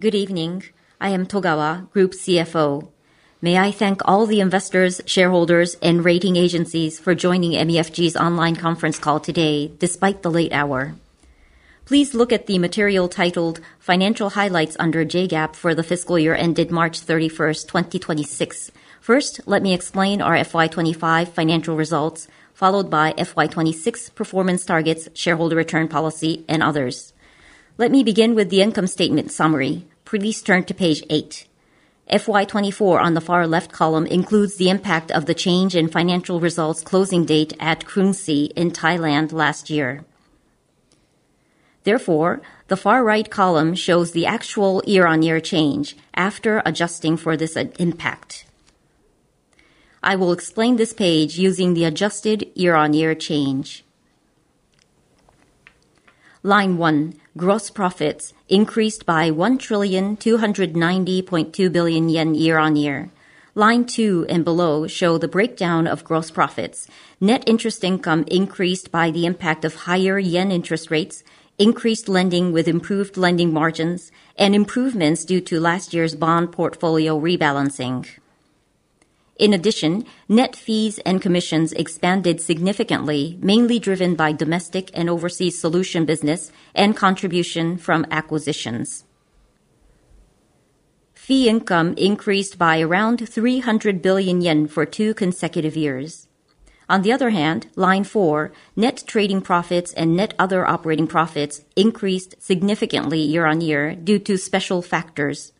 Good evening. I am Togawa, Group CFO. May I thank all the investors, shareholders, and rating agencies for joining MUFG's online conference call today, despite the late hour. Please look at the material titled Financial Highlights under JGAAP for the fiscal year ended March 31st, 2026. First, let me explain our FY 2025 financial results, followed by FY 2026 performance targets, shareholder return policy, and others. Let me begin with the income statement summary. Please turn to page eight. FY 2024 on the far left column includes the impact of the change in financial results closing date at Krungsri in Thailand last year. The far right column shows the actual year-on-year change after adjusting for this impact. I will explain this page using the adjusted year-on-year change. Line 1, gross profits increased by 1,290.2 billion yen year-on-year. Line 2 and below show the breakdown of gross profits. Net interest income increased by the impact of higher JPY interest rates, increased lending with improved lending margins, and improvements due to last year's bond portfolio rebalancing. In addition, net fees and commissions expanded significantly, mainly driven by domestic and overseas solution business and contribution from acquisitions. Fee income increased by around 300 billion yen for two consecutive years. On the other hand, line 4, net trading profits and net other operating profits increased significantly year-on-year due to special factors.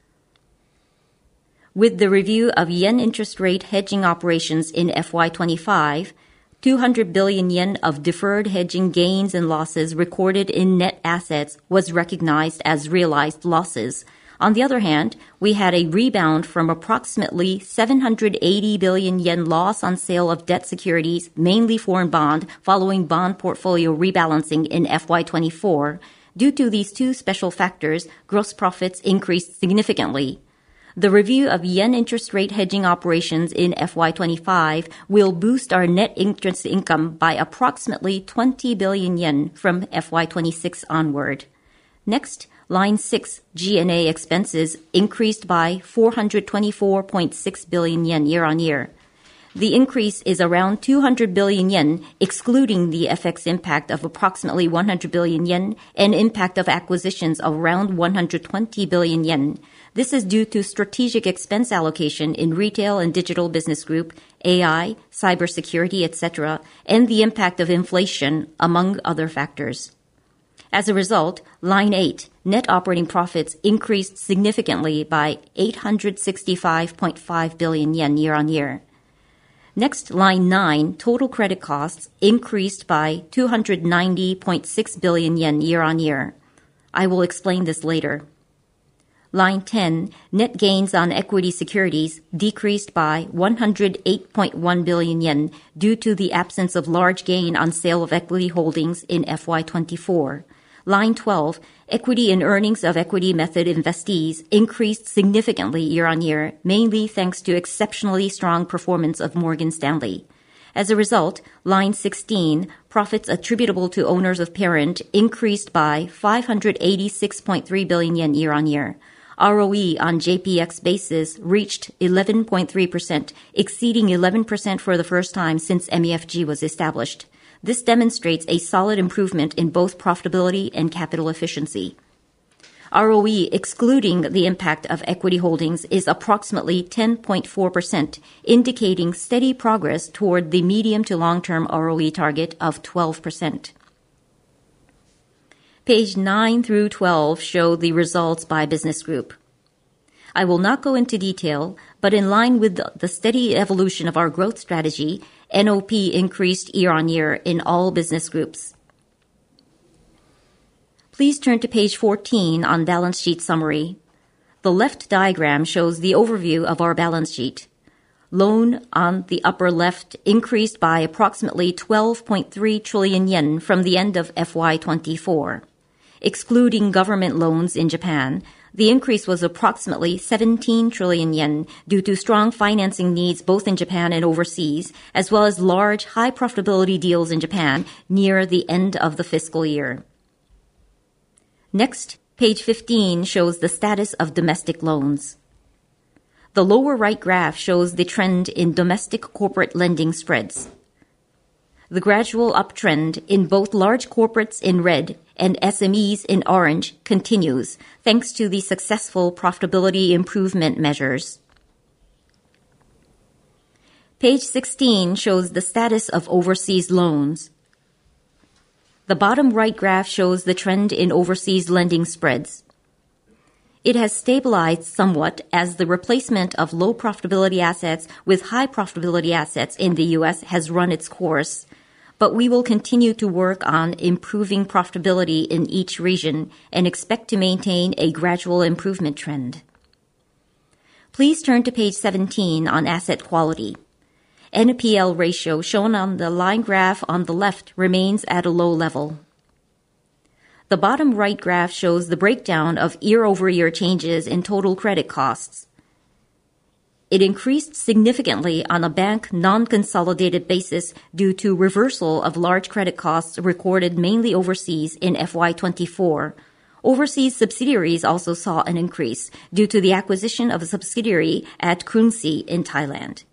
With the review of JPY interest rate hedging operations in FY 2025, 200 billion yen of deferred hedging gains and losses recorded in net assets was recognized as realized losses. On the other hand, we had a rebound from approximately 780 billion yen loss on sale of debt securities, mainly foreign bond, following bond portfolio rebalancing in FY 2024. Due to these two special factors, gross profits increased significantly. The review of yen interest rate hedging operations in FY 2025 will boost our net interest income by approximately 20 billion yen from FY 2026 onward. Next, line 6, G&A expenses increased by 424.6 billion yen year-on-year. The increase is around 200 billion yen, excluding the FX impact of approximately 100 billion yen and impact of acquisitions of around 120 billion yen. This is due to strategic expense allocation in retail and digital business group, AI, cybersecurity, etc., and the impact of inflation, among other factors. As a result, line 8, net operating profits increased significantly by 865.5 billion yen year-on-year. Next, line 9, total credit costs increased by 290.6 billion yen year-on-year. I will explain this later. Line 10, net gains on equity securities decreased by 108.1 billion yen due to the absence of large gain on sale of equity holdings in FY 2024. Line 12, equity and earnings of equity method investees increased significantly year-on-year, mainly thanks to exceptionally strong performance of Morgan Stanley. As a result, line 16, profits attributable to owners of parent increased by 586.3 billion yen year-on-year. ROE on JPX basis reached 11.3%, exceeding 11% for the first time since MUFG was established. This demonstrates a solid improvement in both profitability and capital efficiency. ROE, excluding the impact of equity holdings, is approximately 10.4%, indicating steady progress toward the medium to long-term ROE target of 12%. Page 9 through 12 show the results by business group. I will not go into detail, but in line with the steady evolution of our growth strategy, NOP increased year-over-year in all business groups. Please turn to page 14 on balance sheet summary. The left diagram shows the overview of our balance sheet. Loan on the upper left increased by approximately 12.3 trillion yen from the end of FY 2024. Excluding government loans in Japan, the increase was approximately 17 trillion yen due to strong financing needs both in Japan and overseas, as well as large high-profitability deals in Japan near the end of the fiscal year. Next, page 15 shows the status of domestic loans. The lower right graph shows the trend in domestic corporate lending spreads. The gradual uptrend in both large corporates in red and SMEs in orange continues, thanks to the successful profitability improvement measures. page 16 shows the status of overseas loans. The bottom right graph shows the trend in overseas lending spreads. It has stabilized somewhat as the replacement of low-profitability assets with high-profitability assets in the U.S. has run its course, but we will continue to work on improving profitability in each region and expect to maintain a gradual improvement trend. Please turn to page 17 on asset quality. NPL ratio shown on the line graph on the left remains at a low level. The bottom right graph shows the breakdown of year-over-year changes in total credit costs. It increased significantly on a bank non-consolidated basis due to reversal of large credit costs recorded mainly overseas in FY 2024. Overseas subsidiaries also saw an increase due to the acquisition of a subsidiary at Krungsri in Thailand.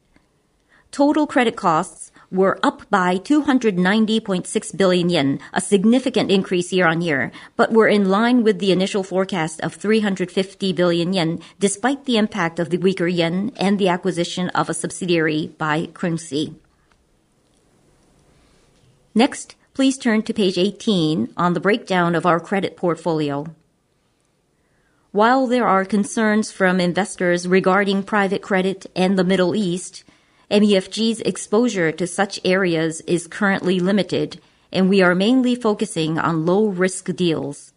Total credit costs were up by 290.6 billion yen, a significant increase year-on-year, but were in line with the initial forecast of 350 billion yen, despite the impact of the weaker yen and the acquisition of a subsidiary by Krungsri. Next, please turn to page 18 on the breakdown of our credit portfolio. While there are concerns from investors regarding private credit and the Middle East, MUFG's exposure to such areas is currently limited, and we are mainly focusing on low-risk deals.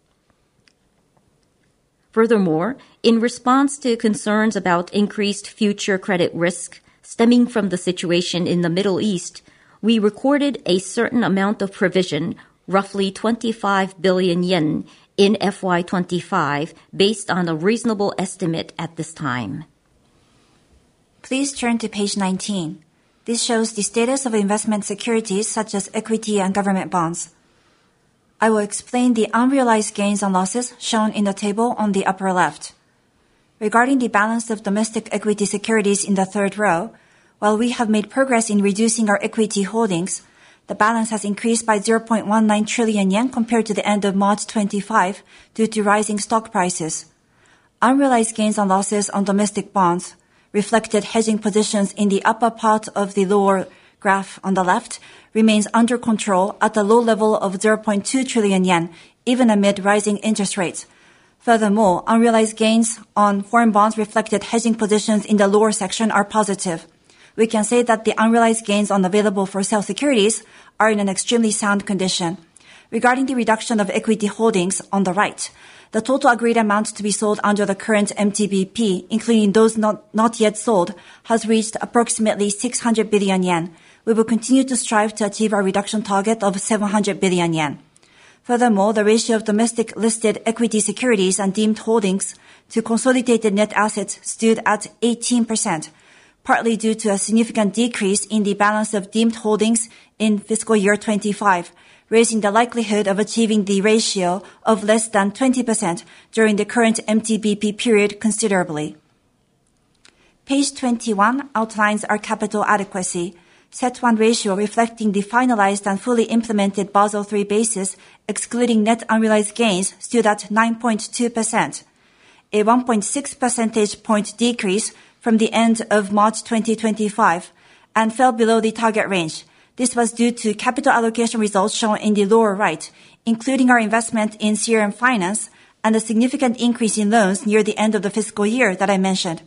Furthermore, in response to concerns about increased future credit risk stemming from the situation in the Middle East, we recorded a certain amount of provision, roughly 25 billion yen in FY 2025 based on a reasonable estimate at this time. Please turn to page 19. This shows the status of investment securities such as equity and government bonds. I will explain the unrealized gains and losses shown in the table on the upper left. Regarding the balance of domestic equity securities in the third row, while we have made progress in reducing our equity holdings, the balance has increased by 0.19 trillion yen compared to the end of March 2025 due to rising stock prices. Unrealized gains and losses on domestic bonds reflected hedging positions in the upper part of the lower graph on the left remains under control at a low level of 0.2 trillion yen even amid rising interest rates. Unrealized gains on foreign bonds reflected hedging positions in the lower section are positive. We can say that the unrealized gains on available for sale securities are in an extremely sound condition. Regarding the reduction of equity holdings on the right, the total agreed amount to be sold under the current MTBP, including those not yet sold, has reached approximately 600 billion yen. We will continue to strive to achieve our reduction target of 700 billion yen. Furthermore, the ratio of domestic listed equity securities and deemed holdings to consolidated net assets stood at 18%, partly due to a significant decrease in the balance of deemed holdings in fiscal year 2025, raising the likelihood of achieving the ratio of less than 20% during the current MTBP period considerably. Page 21 outlines our capital adequacy. CET1 ratio reflecting the finalized and fully implemented Basel III basis, excluding net unrealized gains stood at 9.2%. A 1.6 percentage point decrease from the end of March 2025 and fell below the target range. This was due to capital allocation results shown in the lower right, including our investment in Shriram Finance and a significant increase in loans near the end of the fiscal year that I mentioned.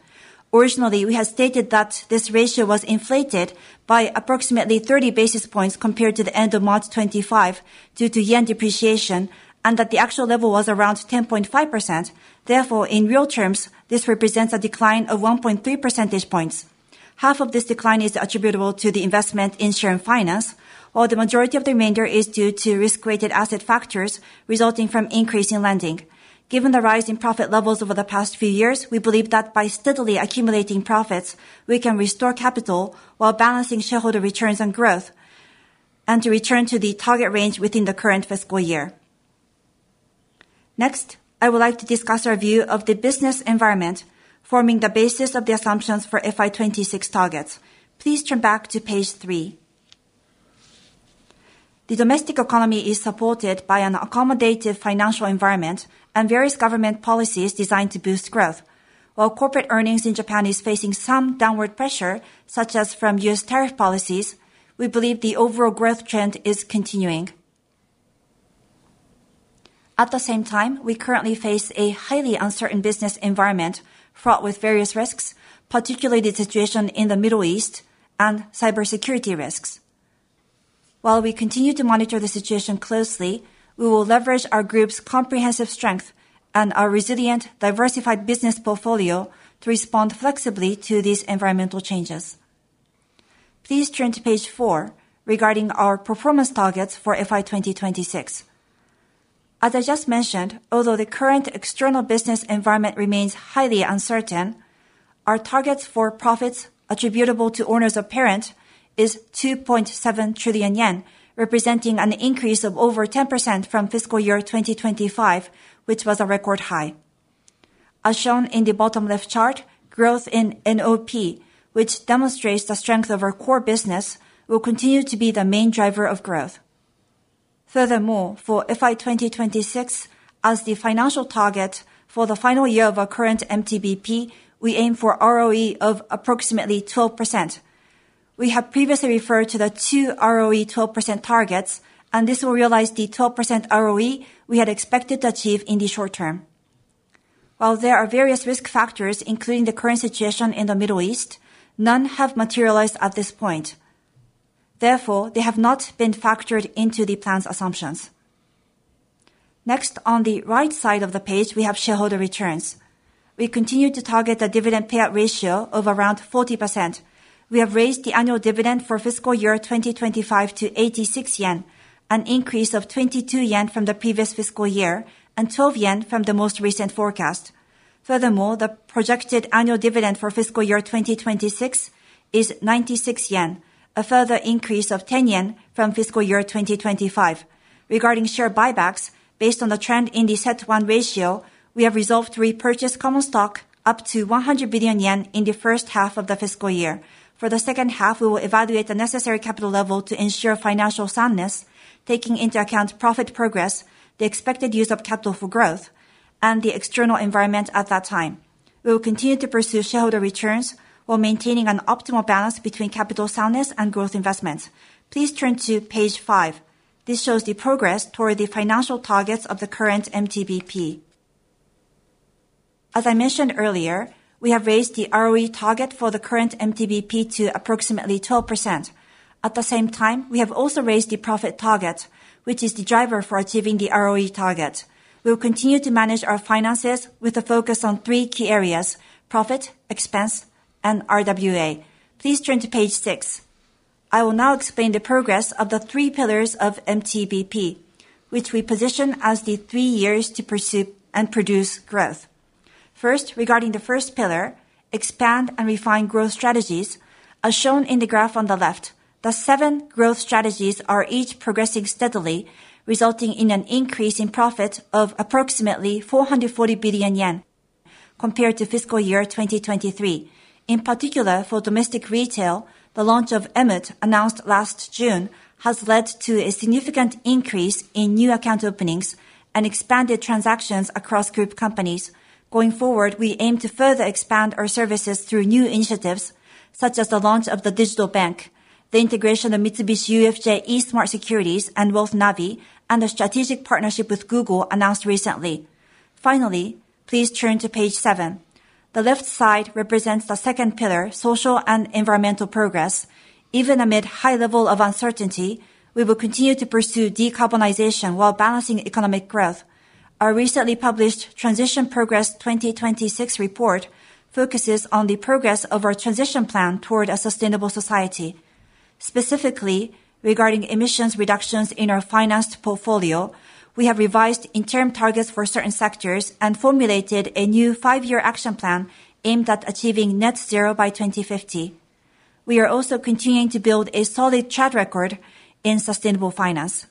Originally, we had stated that this ratio was inflated by approximately 30 basis points compared to the end of March 2025 due to yen depreciation, and that the actual level was around 10.5%. Therefore, in real terms, this represents a decline of 1.3 percentage points. Half of this decline is attributable to the investment in Shriram Finance, while the majority of the remainder is due to risk-weighted asset factors resulting from increase in lending. Given the rise in profit levels over the past few years, we believe that by steadily accumulating profits, we can restore capital while balancing shareholder returns and growth, and to return to the target range within the current fiscal year. Next, I would like to discuss our view of the business environment, forming the basis of the assumptions for FY 2026 targets. Please turn back to page three. The domestic economy is supported by an accommodative financial environment and various government policies designed to boost growth. While corporate earnings in Japan is facing some downward pressure, such as from U.S. tariff policies, we believe the overall growth trend is continuing. At the same time, we currently face a highly uncertain business environment fraught with various risks, particularly the situation in the Middle East and cybersecurity risks. While we continue to monitor the situation closely, we will leverage our group's comprehensive strength and our resilient, diversified business portfolio to respond flexibly to these environmental changes. Please turn to page four regarding our performance targets for FY 2026. As I just mentioned, although the current external business environment remains highly uncertain, our targets for profits attributable to owners of parent is 2.7 trillion yen, representing an increase of over 10% from fiscal year 2025, which was a record high. As shown in the bottom left chart, growth in NOP, which demonstrates the strength of our core business, will continue to be the main driver of growth. Furthermore, for FY 2026, as the financial target for the final year of our current MTBP, we aim for ROE of approximately 12%. We have previously referred to the two ROE 12% targets, and this will realize the 12% ROE we had expected to achieve in the short term. While there are various risk factors, including the current situation in the Middle East, none have materialized at this point. Therefore, they have not been factored into the plan's assumptions. Next, on the right side of the page, we have shareholder returns. We continue to target a dividend payout ratio of around 40%. We have raised the annual dividend for fiscal year 2025 to 86 yen, an increase of 22 yen from the previous fiscal year and 12 yen from the most recent forecast. Furthermore, the projected annual dividend for fiscal year 2026 is 96 yen, a further increase of 10 yen from fiscal year 2025. Regarding share buybacks, based on the trend in the CET1 ratio, we have resolved to repurchase common stock up to 100 billion yen in the first half of the fiscal year. For the second half, we will evaluate the necessary capital level to ensure financial soundness, taking into account profit progress, the expected use of capital for growth, and the external environment at that time. We will continue to pursue shareholder returns while maintaining an optimal balance between capital soundness and growth investments. Please turn to page five. This shows the progress toward the financial targets of the current MTBP. As I mentioned earlier, we have raised the ROE target for the current MTBP to approximately 12%. At the same time, we have also raised the profit target, which is the driver for achieving the ROE target. We will continue to manage our finances with a focus on three key areas: profit, expense, and RWA. Please turn to page six. I will now explain the progress of the three pillars of MTBP, which we position as the three years to pursue and produce growth. First, regarding the first pillar, expand and refine growth strategies, as shown in the graph on the left, the seven growth strategies are each progressing steadily, resulting in an increase in profit of approximately 440 billion yen compared to fiscal year 2023. In particular, for domestic retail, the launch of emut, announced last June, has led to a significant increase in new account openings and expanded transactions across group companies. Going forward, we aim to further expand our services through new initiatives, such as the launch of the digital bank, the integration of Mitsubishi UFJ eSmart Securities and WealthNavi, and the strategic partnership with Google announced recently. Finally, please turn to page seven. The left side represents the second pillar, social and environmental progress. Even amid high level of uncertainty, we will continue to pursue decarbonization while balancing economic growth. Our recently published Transition Progress 2026 report focuses on the progress of our transition plan toward a sustainable society. Specifically, regarding emissions reductions in our financed portfolio, we have revised interim targets for certain sectors and formulated a new 5-year action plan aimed at achieving net zero by 2050. We are also continuing to build a solid track record in sustainable finance.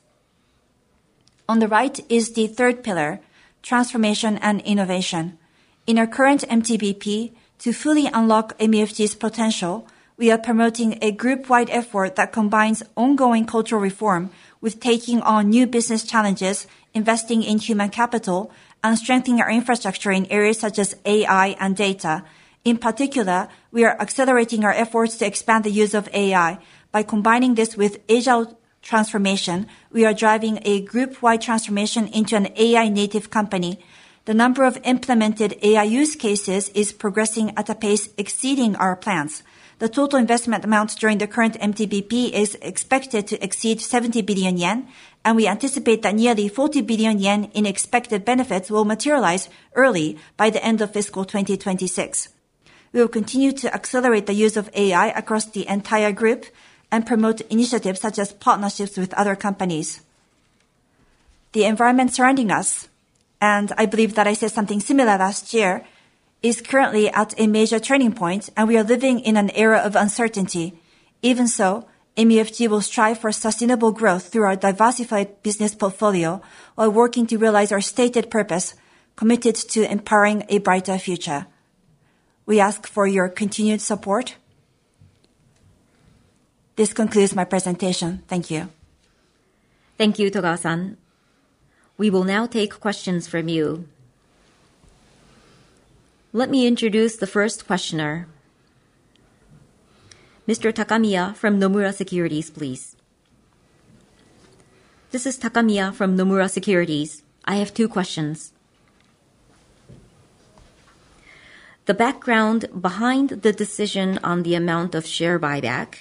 On the right is the third pillar, transformation and innovation. In our current MTBP, to fully unlock MUFG's potential, we are promoting a group-wide effort that combines ongoing cultural reform with taking on new business challenges, investing in human capital, and strengthening our infrastructure in areas such as AI and data. In particular, we are accelerating our efforts to expand the use of AI. By combining this with agile transformation, we are driving a group-wide transformation into an AI-native company. The number of implemented AI use cases is progressing at a pace exceeding our plans. The total investment amounts during the current MTBP is expected to exceed 70 billion yen, and we anticipate that nearly 40 billion yen in expected benefits will materialize early by the end of fiscal 2026. We will continue to accelerate the use of AI across the entire group and promote initiatives such as partnerships with other companies. The environment surrounding us, and I believe that I said something similar last year, is currently at a major turning point, and we are living in an era of uncertainty. Even so, MUFG will strive for sustainable growth through our diversified business portfolio while working to realize our stated purpose committed to empowering a brighter future. We ask for your continued support. This concludes my presentation. Thank you. Thank you, Togawa-san. We will now take questions from you. Let me introduce the first questioner. Mr. Takamiya from Nomura Securities, please. This is Takamiya from Nomura Securities. I have two questions. The background behind the decision on the amount of share buyback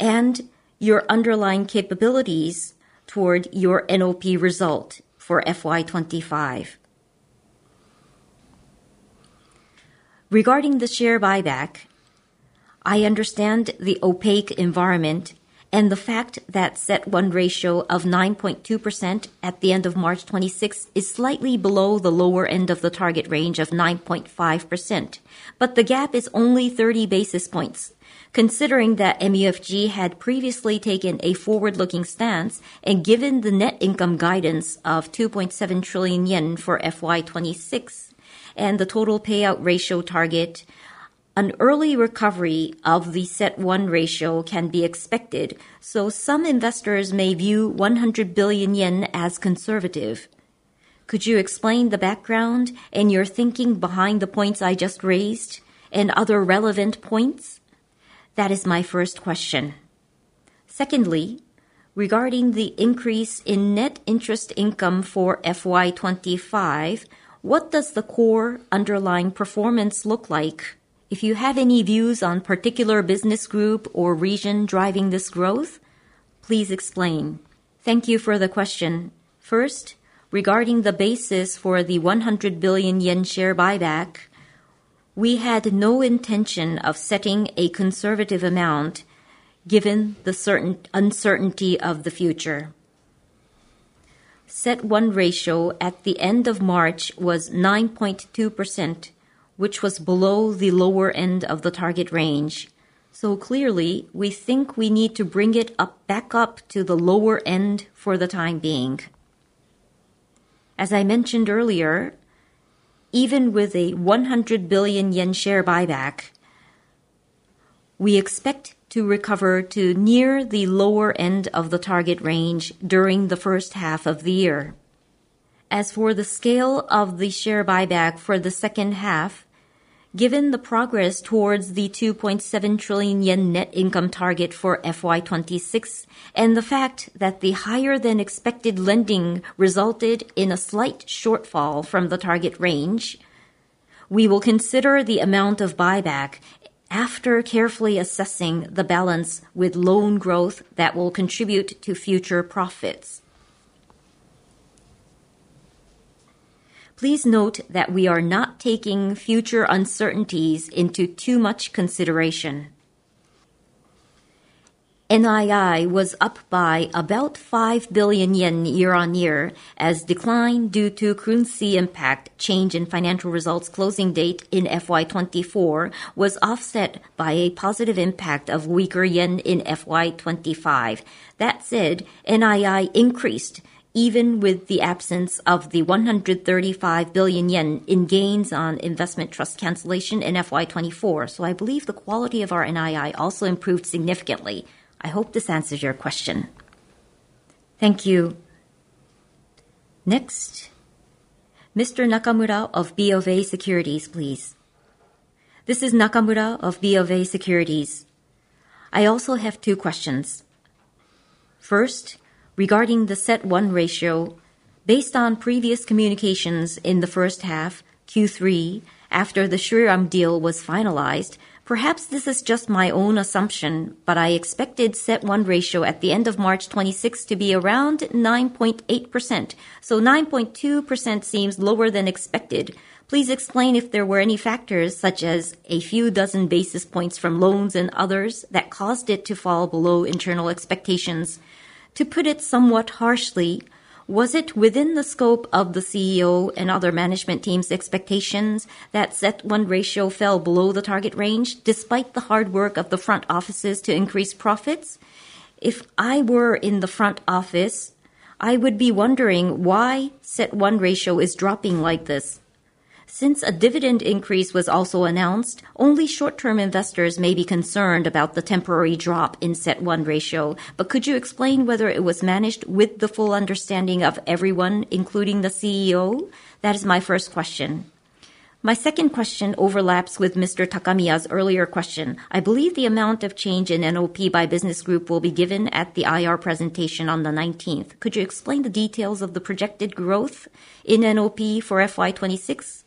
and your underlying capabilities toward your NOP result for FY 2025. Regarding the share buyback, I understand the opaque environment and the fact that CET1 ratio of 9.2% at the end of March 2026 is slightly below the lower end of the target range of 9.5%. The gap is only 30 basis points. Considering that MUFG had previously taken a forward-looking stance and given the net income guidance of 2.7 trillion yen for FY 2026 and the total payout ratio target, an early recovery of the CET1 ratio can be expected, so some investors may view 100 billion yen as conservative. Could you explain the background and your thinking behind the points I just raised and other relevant points? That is my first question. Secondly, regarding the increase in net interest income for FY 2025, what does the core underlying performance look like? If you have any views on particular business group or region driving this growth, please explain. Thank you for the question. First, regarding the basis for the 100 billion yen share buyback, we had no intention of setting a conservative amount given the certain- uncertainty of the future. CET1 ratio at the end of March was 9.2%, which was below the lower end of the target range. Clearly, we think we need to bring it up back up to the lower end for the time being. As I mentioned earlier, even with a 100 billion yen share buyback, we expect to recover to near the lower end of the target range during the first half of the year. As for the scale of the share buyback for the second half, given the progress towards the 2.7 trillion yen net income target for FY 2026 and the fact that the higher-than-expected lending resulted in a slight shortfall from the target range, we will consider the amount of buyback after carefully assessing the balance with loan growth that will contribute to future profits. Please note that we are not taking future uncertainties into too much consideration. NII was up by about 5 billion yen year-on-year as decline due to currency impact change in financial results closing date in FY 2024 was offset by a positive impact of weaker yen in FY 2025. That said, NII increased even with the absence of the 135 billion yen in gains on investment trust cancellation in FY 2024. I believe the quality of our NII also improved significantly. I hope this answers your question. Thank you. Next, Mr. Nakamura of BofA Securities, please. This is Nakamura of BofA Securities. I also have two questions. First, regarding the CET1 ratio, based on previous communications in the first half, Q3, after the Shriram deal was finalized, perhaps this is just my own assumption, I expected CET1 ratio at the end of March 26 to be around 9.8%. 9.2% seems lower than expected. Please explain if there were any factors such as a few dozen basis points from loans and others that caused it to fall below internal expectations. To put it somewhat harshly, was it within the scope of the CEO and other management team's expectations that CET1 ratio fell below the target range despite the hard work of the front offices to increase profits? If I were in the front office, I would be wondering why CET1 ratio is dropping like this. Since a dividend increase was also announced, only short-term investors may be concerned about the temporary drop in CET1 ratio. Could you explain whether it was managed with the full understanding of everyone, including the CEO? That is my first question. My second question overlaps with Mr. Takamiya's earlier question. I believe the amount of change in NOP by business group will be given at the IR presentation on the 19th. Could you explain the details of the projected growth in NOP for FY 2026?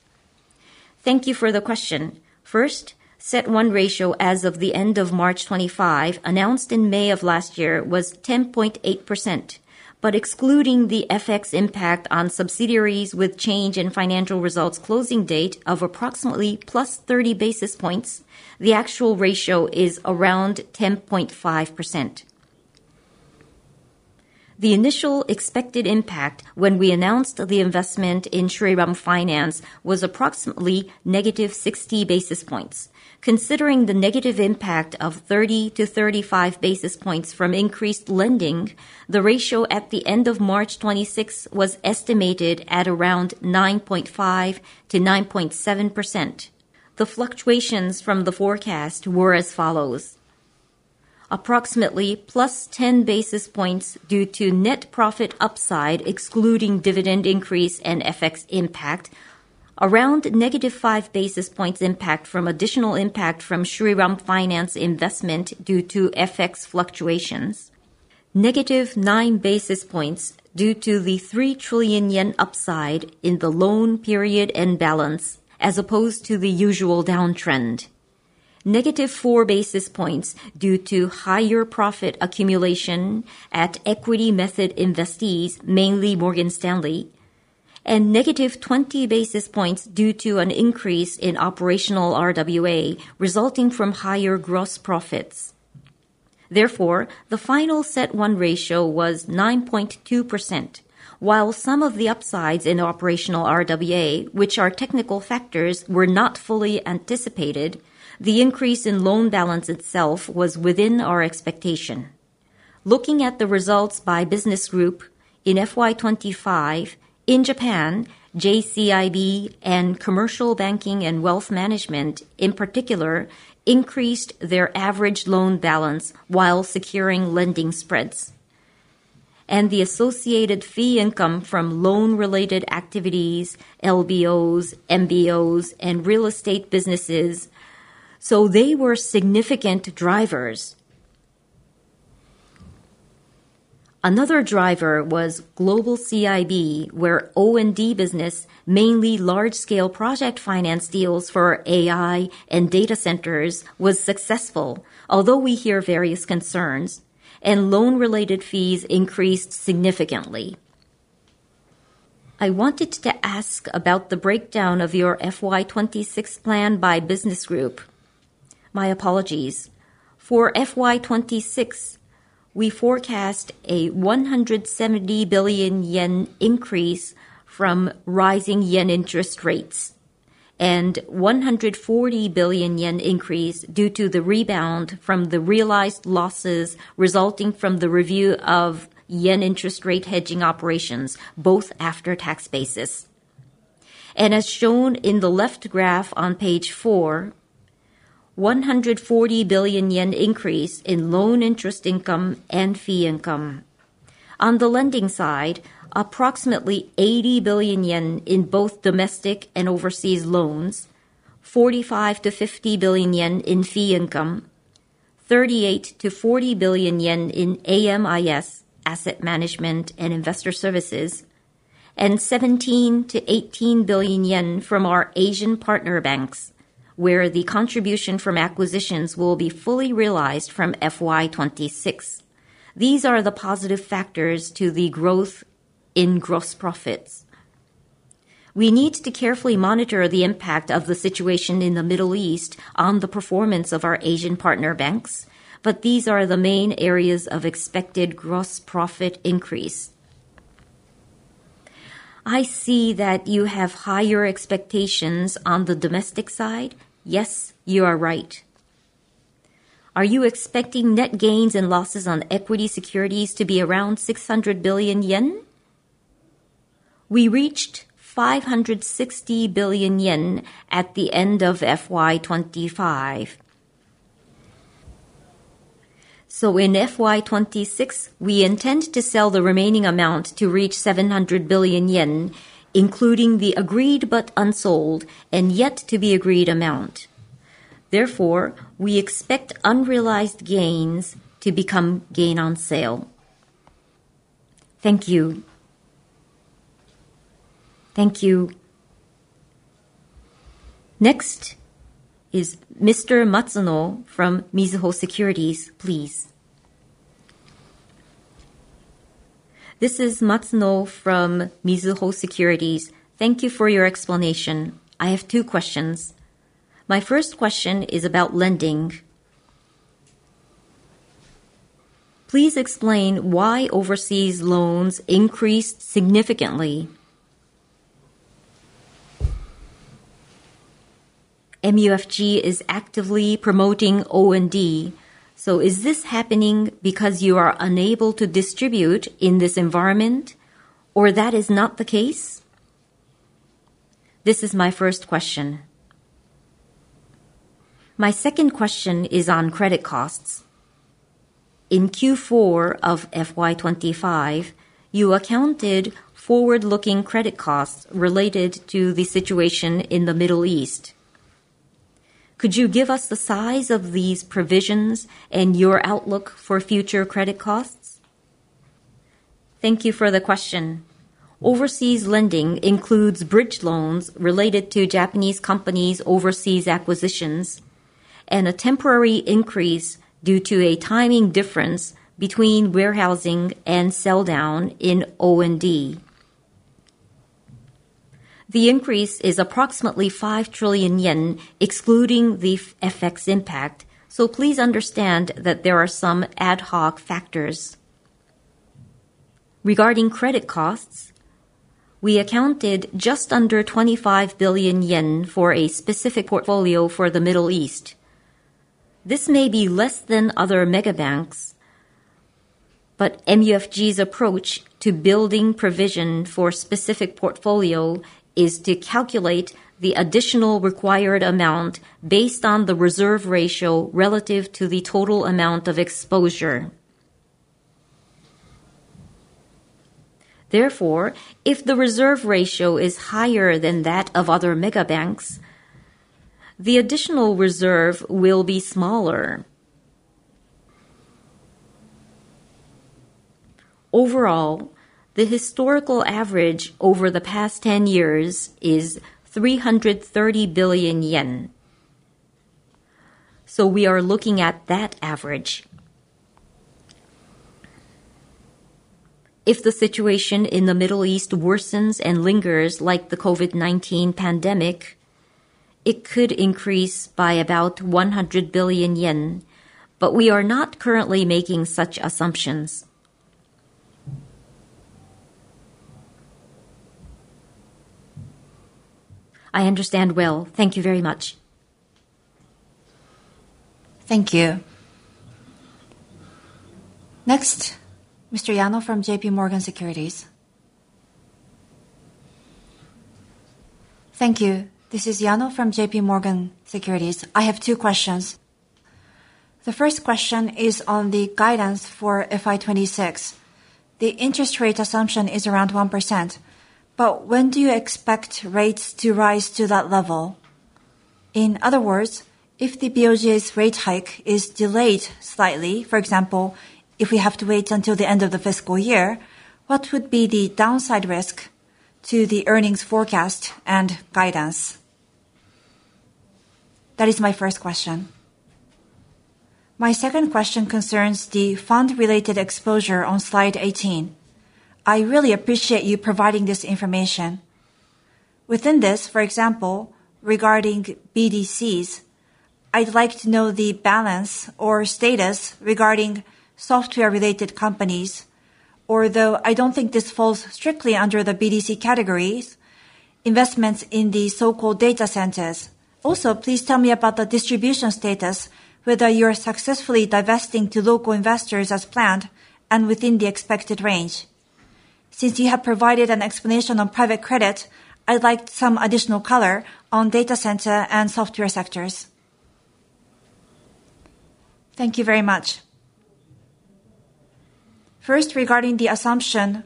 Thank you for the question. First, CET1 ratio as of the end of March 2025 announced in May of last year was 10.8%. Excluding the FX impact on subsidiaries with change in financial results closing date of approximately +30 basis points, the actual ratio is around 10.5%. The initial expected impact when we announced the investment in Shriram Finance was approximately negative 60 basis points. Considering the negative impact of 30 to 35 basis points from increased lending, the ratio at the end of March 2026 was estimated at around 9.5% to 9.7%. The fluctuations from the forecast were as follows. Approximately plus 10 basis points due to net profit upside excluding dividend increase and FX impact. Around negative 5 basis points impact from additional impact from Shriram Finance investment due to FX fluctuations. Negative 9 basis points due to the 3 trillion yen upside in the loan period and balance as opposed to the usual downtrend. Negative 4 basis points due to higher profit accumulation at equity method investees, mainly Morgan Stanley. Negative 20 basis points due to an increase in operational RWA resulting from higher gross profits. The final CET1 ratio was 9.2%. While some of the upsides in operational RWA, which are technical factors, were not fully anticipated, the increase in loan balance itself was within our expectation. Looking at the results by business group, in FY 2025, in Japan, JCIB and commercial banking and wealth management in particular increased their average loan balance while securing lending spreads and the associated fee income from loan-related activities, LBOs, MBOs, and real estate businesses. They were significant drivers. Another driver was Global CIB, where O&D business, mainly large-scale project finance deals for AI and data centers, was successful, although we hear various concerns, and loan-related fees increased significantly. I wanted to ask about the breakdown of your FY 2026 plan by business group. My apologies. For FY 2026, we forecast a 170 billion yen increase from rising yen interest rates and 140 billion yen increase due to the rebound from the realized losses resulting from the review of yen interest rate hedging operations, both after-tax basis. As shown in the left graph on page 4, 140 billion yen increase in loan interest income and fee income. On the lending side, approximately 80 billion yen in both domestic and overseas loans, 45 billion-50 billion yen in fee income, 38 billion-40 billion yen in AMIS, asset management and investor services, and 17 billion-18 billion yen from our Asian partner banks, where the contribution from acquisitions will be fully realized from FY 2026. These are the positive factors to the growth in gross profits. We need to carefully monitor the impact of the situation in the Middle East on the performance of our Asian partner banks. These are the main areas of expected gross profit increase. I see that you have higher expectations on the domestic side. You are right. Are you expecting net gains and losses on equity securities to be around 600 billion yen? We reached 560 billion yen at the end of FY 2025. In FY 2026, we intend to sell the remaining amount to reach 700 billion yen, including the agreed but unsold and yet to be agreed amount. Therefore, we expect unrealized gains to become gain on sale. Thank you. Thank you. Next is Mr. Matsuno from Mizuho Securities, please. This is Matsuno from Mizuho Securities. Thank you for your explanation. I have two questions. My first question is about lending. Please explain why overseas loans increased significantly. MUFG is actively promoting O&D. Is this happening because you are unable to distribute in this environment, or that is not the case? This is my first question. My second question is on credit costs. In Q4 of FY 2025, you accounted forward-looking credit costs related to the situation in the Middle East. Could you give us the size of these provisions and your outlook for future credit costs? Thank you for the question. Overseas lending includes bridge loans related to Japanese companies' overseas acquisitions and a temporary increase due to a timing difference between warehousing and sell-down in O&D. The increase is approximately 5 trillion yen excluding the FX impact. Please understand that there are some ad hoc factors. Regarding credit costs, we accounted just under 25 billion yen for a specific portfolio for the Middle East. This may be less than other megabanks, but MUFG's approach to building provision for specific portfolio is to calculate the additional required amount based on the reserve ratio relative to the total amount of exposure. If the reserve ratio is higher than that of other megabanks, the additional reserve will be smaller. The historical average over the past 10 years is 330 billion yen. We are looking at that average. If the situation in the Middle East worsens and lingers like the COVID-19 pandemic, it could increase by about 100 billion yen, but we are not currently making such assumptions. I understand well. Thank you very much. Thank you. Mr. Yano from J.P. Morgan Securities. Thank you. This is Yano from J.P. Morgan Securities. I have two questions. The first question is on the guidance for FY 2026. The interest rate assumption is around 1%, but when do you expect rates to rise to that level? In other words, if the BOJ's rate hike is delayed slightly, for example, if we have to wait until the end of the fiscal year, what would be the downside risk to the earnings forecast and guidance? That is my first question. My second question concerns the fund-related exposure on slide 18. I really appreciate you providing this information. Within this, for example, regarding BDCs, I'd like to know the balance or status regarding software-related companies. Although I don't think this falls strictly under the BDC categories, investments in the so-called data centers. Please tell me about the distribution status, whether you are successfully divesting to local investors as planned and within the expected range. You have provided an explanation on private credit, I'd like some additional color on data center and software sectors. Thank you very much. Regarding the assumption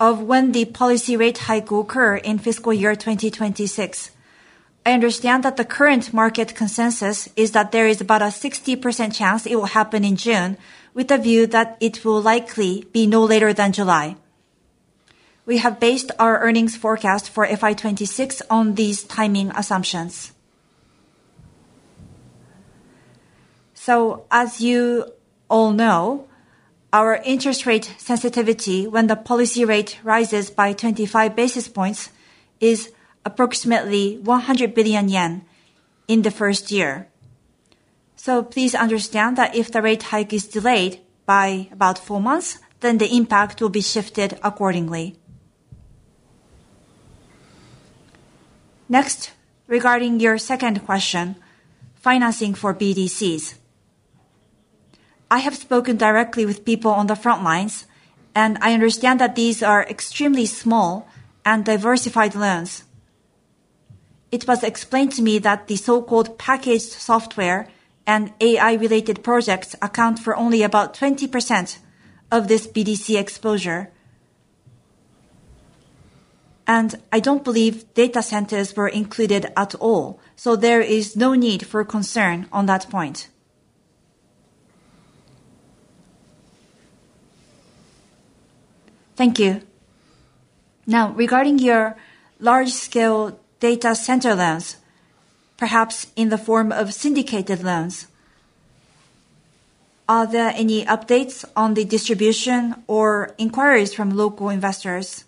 of when the policy rate hike will occur in fiscal year 2026. I understand that the current market consensus is that there is about a 60% chance it will happen in June, with a view that it will likely be no later than July. We have based our earnings forecast for FY 2026 on these timing assumptions. As you all know, our interest rate sensitivity when the policy rate rises by 25 basis points is approximately 100 billion yen in the first year. Please understand that if the rate hike is delayed by about 4 months, the impact will be shifted accordingly. Next, regarding your second question, financing for BDCs. I have spoken directly with people on the front lines, I understand that these are extremely small and diversified loans. It was explained to me that the so-called packaged software and AI-related projects account for only about 20% of this BDC exposure. I don't believe data centers were included at all, there is no need for concern on that point. Thank you. Regarding your large-scale data center loans, perhaps in the form of syndicated loans, are there any updates on the distribution or inquiries from local investors?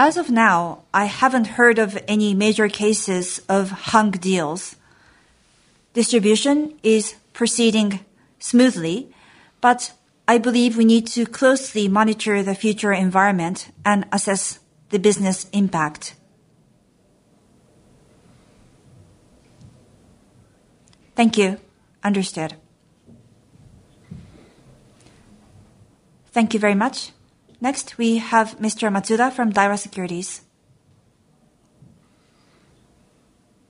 As of now, I haven't heard of any major cases of hung deals. Distribution is proceeding smoothly, but I believe we need to closely monitor the future environment and assess the business impact. Thank you. Understood. Thank you very much. Next, we have Mr. Matsuda from Daiwa Securities.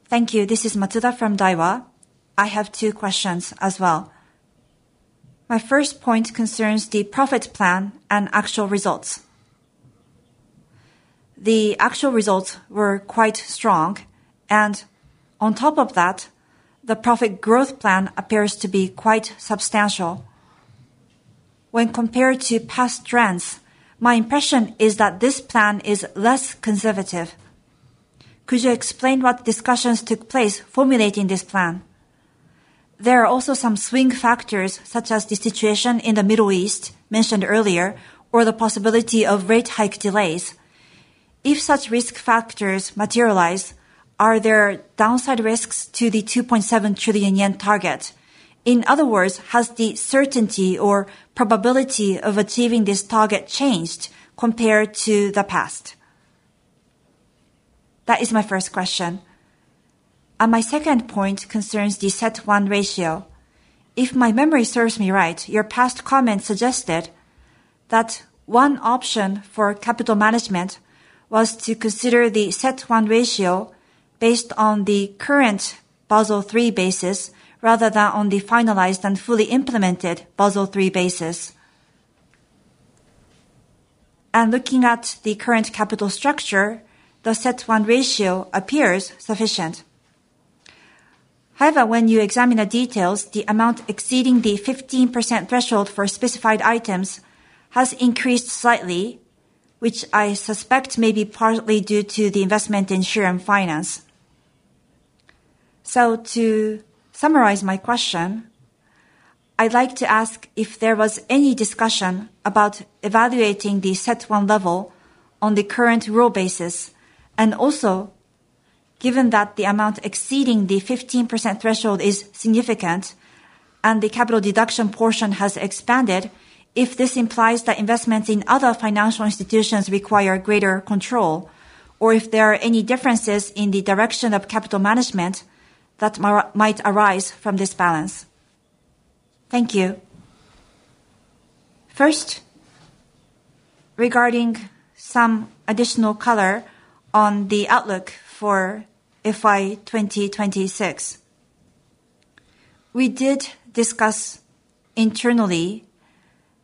Thank you. This is Matsuda from Daiwa. I have two questions as well. My first point concerns the profit plan and actual results. The actual results were quite strong, and on top of that, the profit growth plan appears to be quite substantial. When compared to past trends, my impression is that this plan is less conservative. Could you explain what discussions took place formulating this plan? There are also some swing factors, such as the situation in the Middle East mentioned earlier, or the possibility of rate hike delays. If such risk factors materialize, are there downside risks to the 2.7 trillion yen target? In other words, has the certainty or probability of achieving this target changed compared to the past? That is my first question. My second point concerns the CET1 ratio. If my memory serves me right, your past comments suggested that one option for capital management was to consider the CET1 ratio based on the current Basel III basis rather than on the finalized and fully implemented Basel III basis. Looking at the current capital structure, the CET1 ratio appears sufficient. However, when you examine the details, the amount exceeding the 15% threshold for specified items has increased slightly, which I suspect may be partly due to the investment in Shriram Finance. To summarize my question, I'd like to ask if there was any discussion about evaluating the CET1 level on the current rule basis. Given that the amount exceeding the 15% threshold is significant and the capital deduction portion has expanded, if this implies that investments in other financial institutions require greater control, or if there are any differences in the direction of capital management that might arise from this balance. Thank you. Regarding some additional color on the outlook for FY 2026. We did discuss internally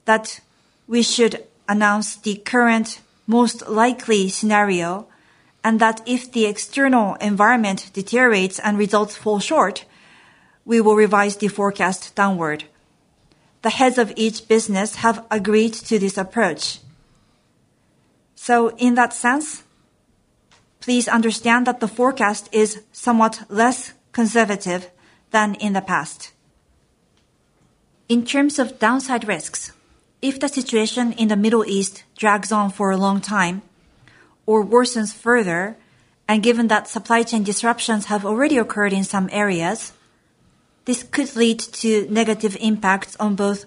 that we should announce the current most likely scenario, and that if the external environment deteriorates and results fall short, we will revise the forecast downward. The heads of each business have agreed to this approach. Please understand that the forecast is somewhat less conservative than in the past. In terms of downside risks, if the situation in the Middle East drags on for a long time or worsens further, and given that supply chain disruptions have already occurred in some areas, this could lead to negative impacts on both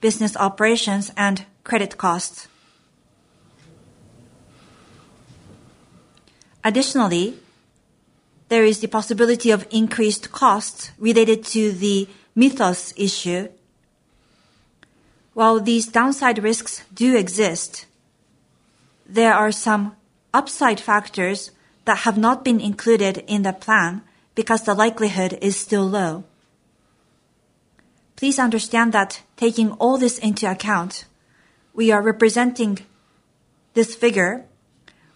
business operations and credit costs. Additionally, there is the possibility of increased costs related to the methods issue. While these downside risks do exist, there are some upside factors that have not been included in the plan because the likelihood is still low. Please understand that taking all this into account, we are representing this figure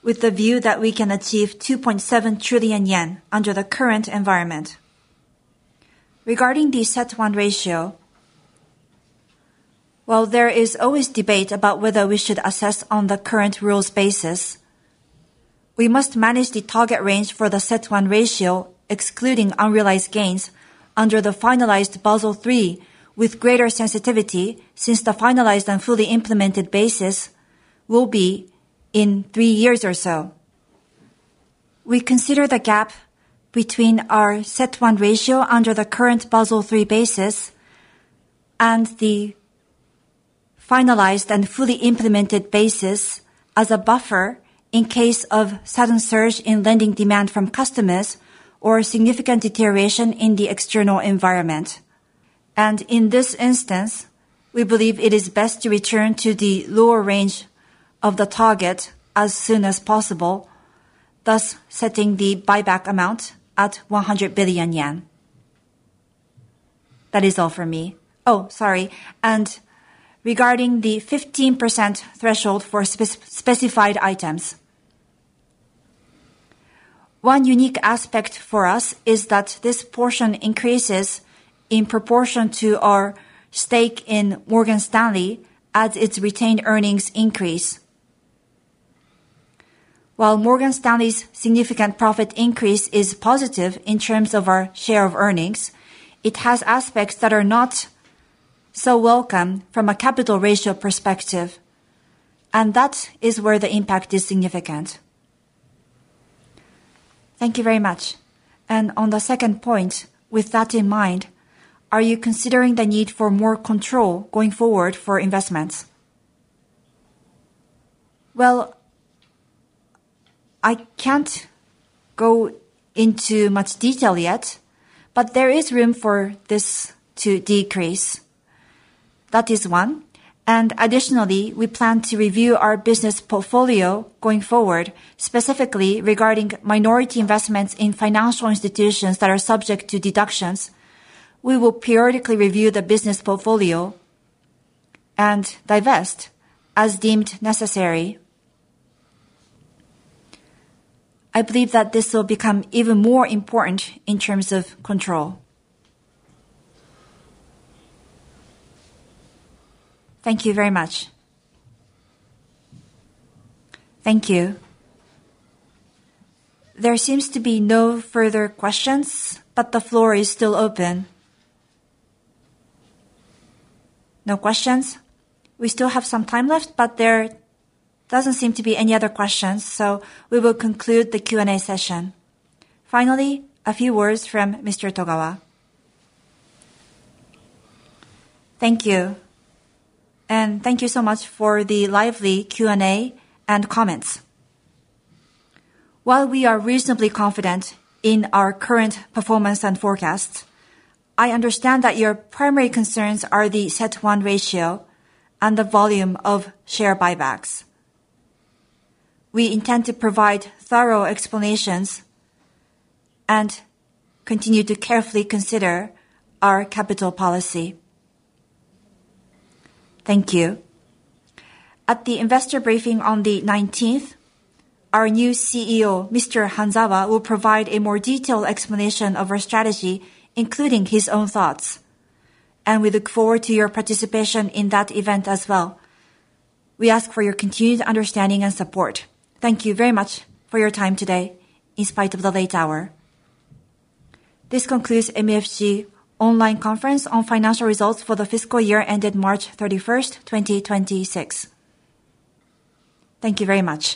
with the view that we can achieve 2.7 trillion yen under the current environment. Regarding the CET1 ratio, while there is always debate about whether we should assess on the current rules basis, we must manage the target range for the CET1 ratio, excluding unrealized gains under the finalized Basel III with greater sensitivity since the finalized and fully implemented basis will be in three years or so. We consider the gap between our CET1 ratio under the current Basel III basis and the finalized and fully implemented basis as a buffer in case of sudden surge in lending demand from customers or a significant deterioration in the external environment. In this instance, we believe it is best to return to the lower range of the target as soon as possible, thus setting the buyback amount at 100 billion yen. That is all for me. Oh, sorry. Regarding the 15% threshold for specified items. One unique aspect for us is that this portion increases in proportion to our stake in Morgan Stanley as its retained earnings increase. While Morgan Stanley's significant profit increase is positive in terms of our share of earnings, it has aspects that are not so welcome from a capital ratio perspective, and that is where the impact is significant. Thank you very much. On the second point, with that in mind, are you considering the need for more control going forward for investments? Well, I can't go into much detail yet, but there is room for this to decrease. That is one. Additionally, we plan to review our business portfolio going forward, specifically regarding minority investments in financial institutions that are subject to deductions. We will periodically review the business portfolio and divest as deemed necessary. I believe that this will become even more important in terms of control. Thank you very much. Thank you. There seems to be no further questions, but the floor is still open. No questions. We still have some time left, but there doesn't seem to be any other questions, so we will conclude the Q&A session. Finally, a few words from Mr. Togawa. Thank you. Thank you so much for the lively Q&A and comments. While we are reasonably confident in our current performance and forecasts, I understand that your primary concerns are the CET1 ratio and the volume of share buybacks. We intend to provide thorough explanations and continue to carefully consider our capital policy. Thank you. At the investor briefing on the nineteenth, our new CEO, Mr. Hanzawa, will provide a more detailed explanation of our strategy, including his own thoughts. We look forward to your participation in that event as well. We ask for your continued understanding and support. Thank you very much for your time today in spite of the late hour. This concludes MUFG online conference on financial results for the fiscal year ended March 31st, 2026. Thank you very much.